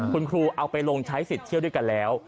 คุณครูเอาไปลงใช้สิทธิ์เที่ยวด้วยกันแล้ว